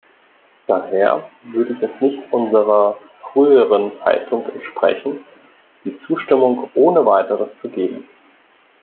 Daher würde es nicht unserer früheren Haltung entsprechen, die Zustimmung ohne weiteres zu geben.